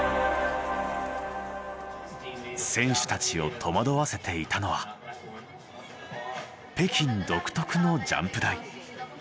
選手たちを戸惑わせていたのは北京独特のジャンプ台。